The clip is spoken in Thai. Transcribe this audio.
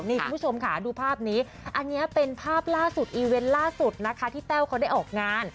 นี่คุณผู้ชมค่ะดูภาพนี้อันนี้เป็นภาพล่าสุดอีเวนต์ล่าสุดนะคะที่แต้วเขาได้ออกงาน